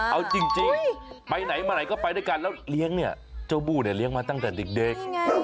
เอาจริงไปไหนมาไหนก็ไปด้วยกันแล้วเลี้ยงเนี่ยเจ้าบู้เนี่ยเลี้ยงมาตั้งแต่เด็ก